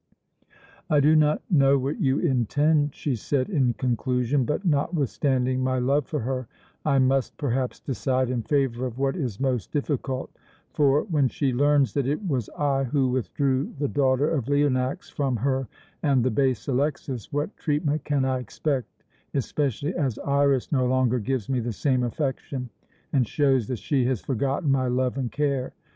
"I do not know what you intend," she said in conclusion, "but, notwithstanding my love for her, I must perhaps decide in favour of what is most difficult, for when she learns that it was I who withdrew the daughter of Leonax from her and the base Alexas what treatment can I expect, especially as Iras no longer gives me the same affection, and shows that she has forgotten my love and care?